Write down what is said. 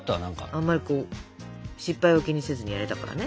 あんまりこう失敗を気にせずにやれたからね。